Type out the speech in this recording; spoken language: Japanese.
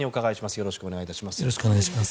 よろしくお願いします。